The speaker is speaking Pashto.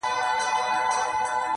• او ډېر فکر کوي هره ورځ..